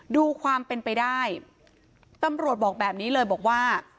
ดูความเป็นไปได้ตำรวจบอกแบบนี้เลยบอกว่า